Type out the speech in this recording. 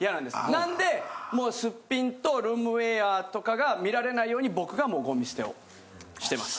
なんでもうスッピンとルームウェアとかが見られないように僕がもうゴミ捨てをしてます。